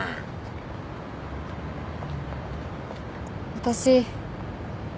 私。